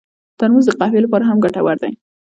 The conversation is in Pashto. ترموز د قهوې لپاره هم ګټور دی.